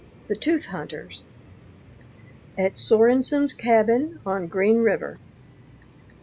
X THE TOOTH HUNTERS AT SORENSON'S CABIN ON GREEN RIVER.